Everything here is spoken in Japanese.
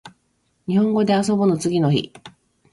にほんごであそぼの次の日